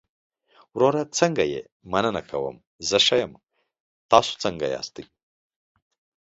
وروره څنګه يې؟ مننه کوم، زه ښۀ يم، تاسو څنګه ياستى؟